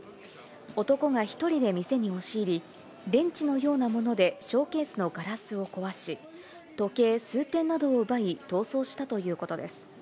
男が１人で店に押し入り、レンチのようなものでショーケースのガラスを壊し、時計数点などを奪い、逃走したということです。